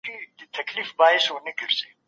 افغانستان تر ډېره کوم توکي له پاکستان څخه واردوي؟